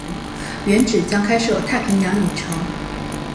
原址将开设太平洋影城。